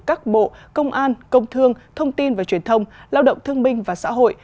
các bộ công an công thương thông tin và truyền thông lao động thương minh và xã hội